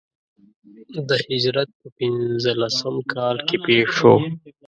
د هجرت په پنځه لسم کال کې پېښ شو.